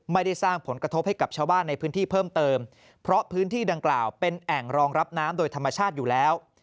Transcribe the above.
ไม่ได้สร้างผลกระทบให้กับชาวบ้านในพื้นที่เพิ่มเติมเพราะพื้นที่ดังกล่าวเป็นแอ่งรองรับน้ำโดยธรรมชาติอยู่แล้ว